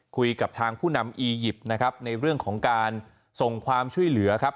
คุยกับทางผู้นำอียิปต์นะครับในเรื่องของการส่งความช่วยเหลือครับ